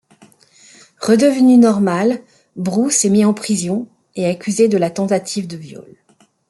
Redevenu normal, Bruce est mis en prison et accusé de la tentative de viol.